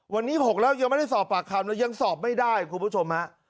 วันนี้๖แล้วยังไม่ได้สอบปากคำเลยยังสอบไม่ได้คุณผู้ชมฮะ